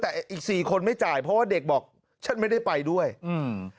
แต่อีกสี่คนไม่จ่ายเพราะว่าเด็กบอกฉันไม่ได้ไปด้วยอืม